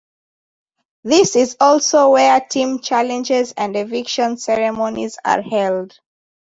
This is also where Team Challenges and Eviction Ceremonies are held.